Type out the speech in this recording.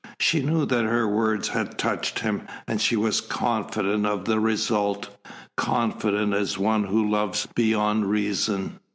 She knew that her words had touched him and she was confident of the result, confident as one who loves beyond reason.